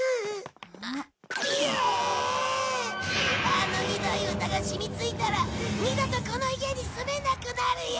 あのひどい歌が染み付いたら二度とこの家に住めなくなるよ！